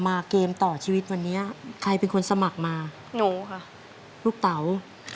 เกมต่อชีวิตวันนี้ใครเป็นคนสมัครมาหนูค่ะลูกเต๋า